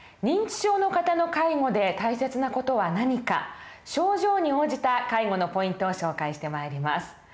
認知症の方の介護で大切な事は何か症状に応じた介護のポイントを紹介してまいります。